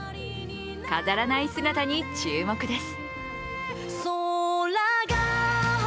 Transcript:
飾らない姿に注目です。